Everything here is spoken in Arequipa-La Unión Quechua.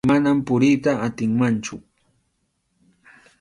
Manam puriyta atinmanchu.